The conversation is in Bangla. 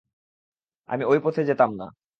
আমি ঐ পথে যেতাম না।